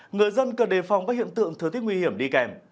người dân cần đề phòng các hiện tượng thừa thích nguy hiểm đi kèm